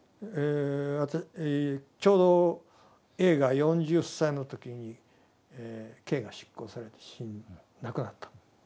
ちょうどＡが４０歳の時に刑が執行されて亡くなった。